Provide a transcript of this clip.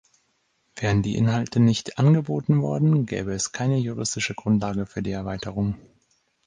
Wären die Inhalte nicht angeboten worden, gäbe es keine juristische Grundlage für die Erweiterung.